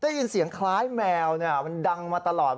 ได้ยินเสียงคล้ายแมวมันดังมาตลอด